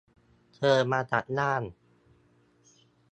เธอมาจากน่าน